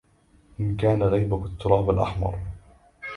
إِن كان غيبك التراب الأحمر